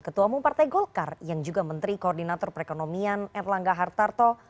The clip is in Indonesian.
ketua umum partai golkar yang juga menteri koordinator perekonomian erlangga hartarto